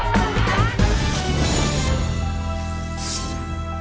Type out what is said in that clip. จำนวน๘ขุมให้ในเวลา๓นาที